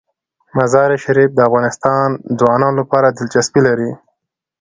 مزارشریف د افغان ځوانانو لپاره دلچسپي لري.